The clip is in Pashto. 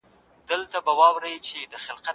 ما ددې غرونو په لمنو کي شپېلۍ ږغول